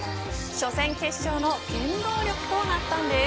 初戦快勝の原動力となったんです。